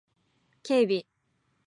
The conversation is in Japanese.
警備